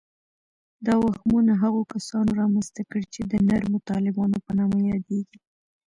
دا وهمونه هغو کسانو رامنځته کړي چې د نرمو طالبانو په نامه یادیږي